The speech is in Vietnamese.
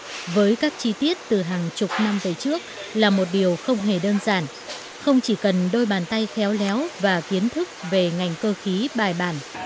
tuy nhiên với các chi tiết từ hàng chục năm về trước là một điều không hề đơn giản không chỉ cần đôi bàn tay khéo léo và kiến thức về ngành cơ khí bài bản